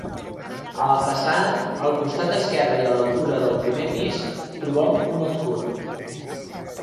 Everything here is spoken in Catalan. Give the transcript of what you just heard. A la façana, al costat esquerre i a l'altura del primer pis, trobem un escut.